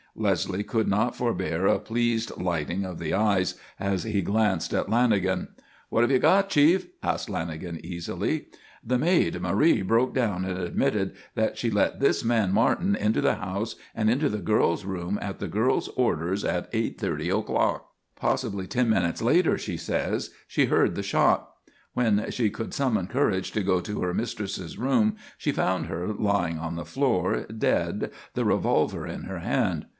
Leslie could not forbear a pleased lighting of the eyes as he glanced at Lanagan. "What have you got, Chief?" asked Lanagan easily. "The maid, Marie, broke down and admitted that she let this man Martin into the house and into the girl's room at the girl's orders at 8.30 o'clock. Possibly ten minutes later, she says, she heard the shot. When she could summon courage to go to her mistress's room she found her lying on the floor dead, the revolver in her hand.